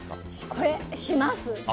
これ、します。